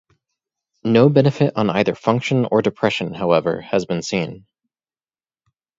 No benefit on either function or depression, however, has been seen.